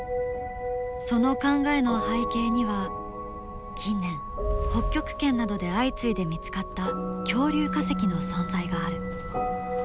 その考えの背景には近年北極圏などで相次いで見つかった恐竜化石の存在がある。